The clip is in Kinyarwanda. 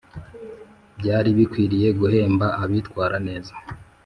byari bikwiriye guhemba abitwara neza